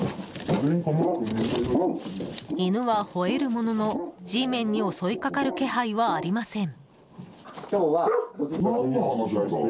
犬は、ほえるもののＧメンに襲いかかる気配はありません。